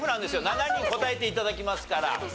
７人答えて頂きますから。